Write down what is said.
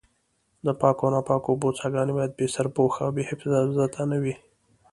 د پاکو او ناپاکو اوبو څاګانې باید بې سرپوښه او بې حفاظته نه وي.